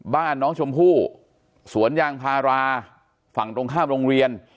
บ้านน้องชมพู่สวนยางพาราฝั่งตรงข้ามโรงเรียน